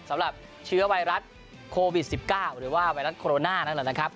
สำหรับเชื้อไวรัสโควิด๑๙หรือว่าไวรัสโคโรนานั่นแหละนะครับ